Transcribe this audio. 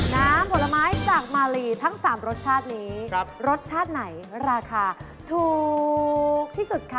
น้ำผลไม้จากมาลีทั้ง๓รสชาตินี้รสชาติไหนราคาถูกที่สุดคะ